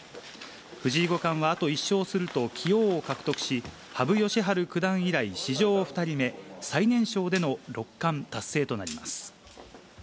藤井五冠はあと１勝すると棋王を獲得し、羽生善治九段以来、史上２人目、最年少での六冠達成となります。